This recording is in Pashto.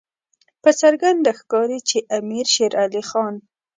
په څرګنده ښکاري چې امیر شېر علي خان.